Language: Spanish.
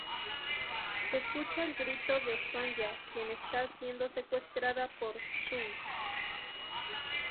Se escucha el grito de Sonya quien está siendo secuestrada por Tsung.